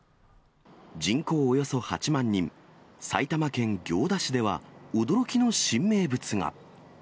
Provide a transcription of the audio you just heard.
人口およそ８万人、埼玉県行田市では、驚きの新名物が。